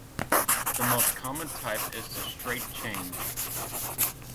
The most common type is the straight change.